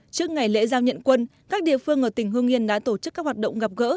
trước ngày lễ giao nhận quân các địa phương ở tỉnh hương yên đã tổ chức các hoạt động gặp gỡ